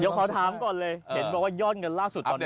เดี๋ยวขอถามก่อนเลยเห็นบอกว่ายอดเงินล่าสุดตอนนี้